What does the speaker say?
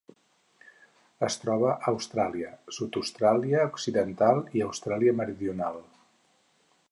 Es troba a Austràlia: sud d'Austràlia Occidental i Austràlia Meridional.